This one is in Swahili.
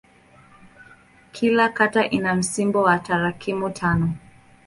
Kila kata ina msimbo wa tarakimu tano.